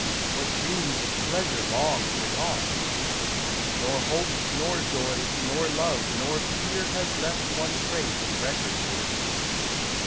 What dreams of pleasure long forgot ! Nor hope, nor joy, nor love, nor fear Has left one trace of record here.